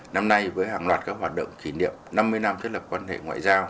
năm nay với hàng loạt các hoạt động kỷ niệm năm mươi năm thiết lập quan hệ ngoại giao